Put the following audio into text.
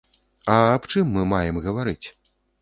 А аб чым мы маем гаварыць?